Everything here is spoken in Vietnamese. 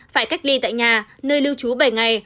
phải cách ly tại nhà nơi lưu trú bảy ngày